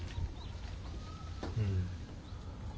うん。